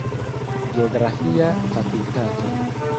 Geografia fakultato.